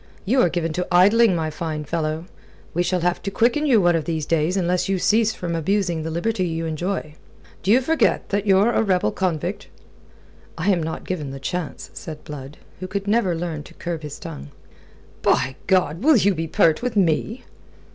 You are given to idling, my fine fellow. We shall have to quicken you one of these days unless you cease from abusing the liberty you enjoy. D'ye forget that ye're a rebel convict?" "I am not given the chance," said Blood, who never could learn to curb his tongue. "By God! Will you be pert with me?"